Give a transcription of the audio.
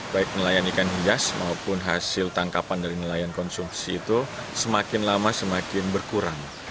baik nelayan ikan hias maupun hasil tangkapan dari nelayan konsumsi itu semakin lama semakin berkurang